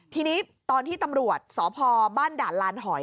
ทีนี้ตอนที่ตำรวจสพบ้านด่านลานหอย